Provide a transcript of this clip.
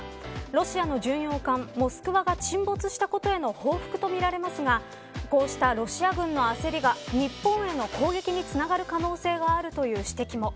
ロシアの巡洋艦モスクワが沈没したことへの報復とみられますがこうしたロシア軍の焦りが日本への攻撃につながる可能性があるという指摘も。